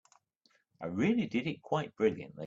I really did it quite brilliantly.